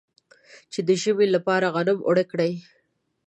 چې د ژمي لپاره غنم اوړه کړي.